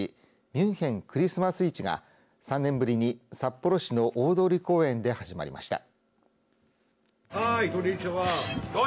ミュンヘン・クリスマス市が３年ぶりに、札幌市の大通公園で始まりました。